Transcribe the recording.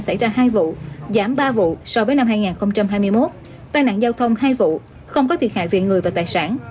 xảy ra hai vụ giảm ba vụ so với năm hai nghìn hai mươi một tai nạn giao thông hai vụ không có thiệt hại về người và tài sản